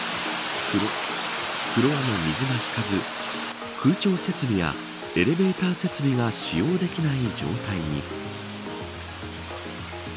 フロアの水が引かず空調設備やエレベーター設備が使用できない状態に。